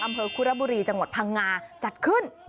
หรือกุฎบุรีจังหวัดพังงาจัดขึ้น